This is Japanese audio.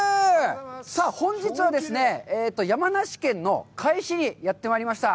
さあ、本日はですね、山梨県の甲斐市にやってまいりました。